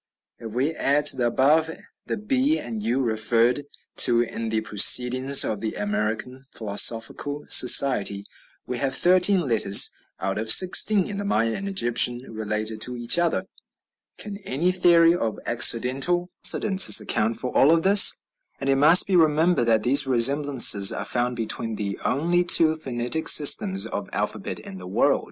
If we add to the above the b and u, referred to in the "Proceedings of the American Philosophical Society," we have thirteen letters out of sixteen in the Maya and Egyptian related to each other. Can any theory of accidental coincidences account for all this? And it must be remembered that these resemblances are found between the only two phonetic systems of alphabet in the world.